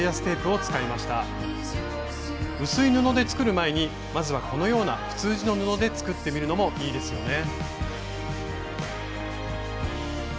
薄い布で作る前にまずはこのような普通地の布で作ってみるのもいいですよね。